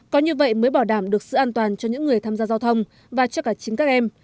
có như vậy mới bảo đảm được sự an toàn cho những người tham gia giao thông và cho cả chính các em